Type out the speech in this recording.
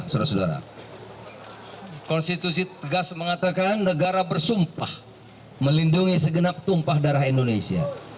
saudara saudara konstitusi tegas mengatakan negara bersumpah melindungi segenap tumpah darah indonesia